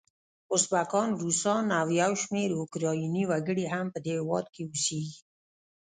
ازبکان، روسان او یو شمېر اوکرایني وګړي هم په دې هیواد کې اوسیږي.